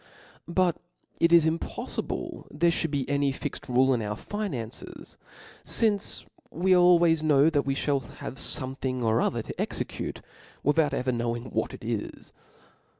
But ic is impoflible there fliould be any Bxed rule in our finances, fince we always kno^ that we fliall have fomethin'g or other to execute, without ever knowing what it is.